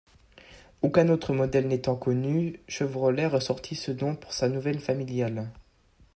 Aucun autre modèle n'étant connu, Chevrolet ressortit ce nom pour sa nouvelle familiale.